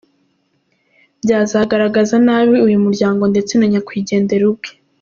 Byazagaragaza nabi uyu muryango ndetse na nyakwigendera ubwe.